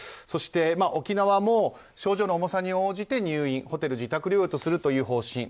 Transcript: そして沖縄も症状の重さに応じて入院ホテル、自宅療養とする方針。